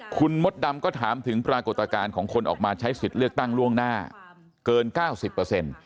คุณมดดำก็ถามถึงปรากฏการณ์ของคนออกมาใช้ศิลป์เลือกตั้งล่วงหน้าเกิน๙๐